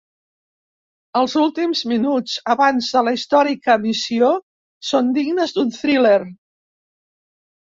Els últims minuts abans de la històrica emissió són dignes d'un thriller.